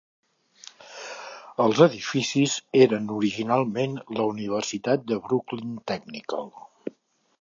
Els edificis eren originalment la Universitat de Brooklyn Technical.